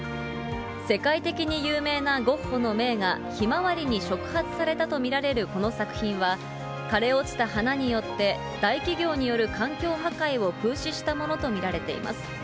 世界的に有名なゴッホの名画、ひまわりに触発されたと見られるこの作品は、枯れ落ちた花によって、大企業による環境破壊を風刺したものと見られています。